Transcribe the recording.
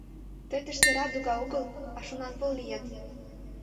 — Тый тыште Радуга огыл, а Шонанпыл лият!